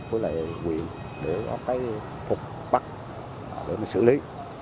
với lại quyền để có cái thuật bắt để nó xử lý